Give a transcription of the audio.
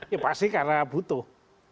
ya pasti karena butuh